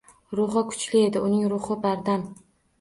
Ruhi kuchli edi uning, ruhi bardam.